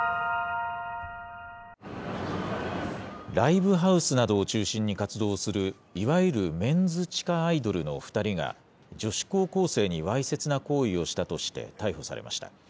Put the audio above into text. ライブハウスなどを中心に活動するいわゆるメンズ地下アイドルの２人が、女子高校生にわいせつな行為をしたとして、逮捕されました。